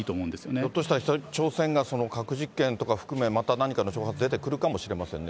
ひょっとしたら、北朝鮮が核実験とか含め、また何かの挑発、出てくるかもしれませんね。